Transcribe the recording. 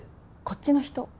こっちの人？